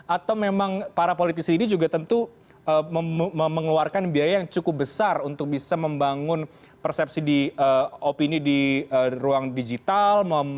atau memang para politisi ini juga tentu mengeluarkan biaya yang cukup besar untuk bisa membangun persepsi di opini di ruang digital